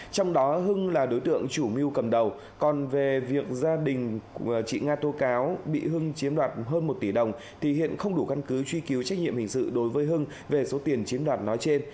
trong đó hưng là đối tượng chủ mưu cầm đầu còn về việc gia đình chị nga tô cáo bị hưng chiếm đoạt hơn một tỷ đồng thì hiện không đủ căn cứ truy cứu trách nhiệm hình sự đối với hưng về số tiền chiếm đoạt nói trên